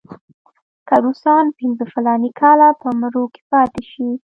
که روسان پنځه فلاني کاله په مرو کې پاتې شي.